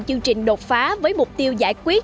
chương trình đột phá với mục tiêu giải quyết